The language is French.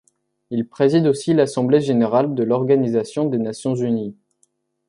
Il préside aussi l’Assemblée générale de l’Organisation des Nations unies.